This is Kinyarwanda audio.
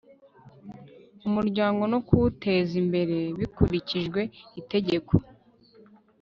umuryango no kuwuteza imbere bikurikijwe itegeko